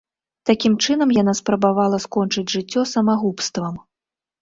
Такім чынам яна спрабавала скончыць жыццё самагубствам.